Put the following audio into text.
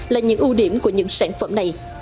là những ưu điểm của những sản phẩm này